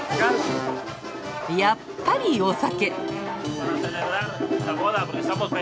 やっぱりお酒！